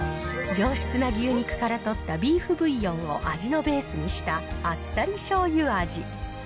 上質な牛肉からとったビーフブイヨンを味のベースにしたあっさりしょうゆ味。